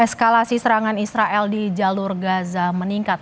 eskalasi serangan israel di jalur gaza meningkat